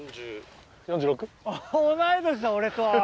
同い年だ俺と！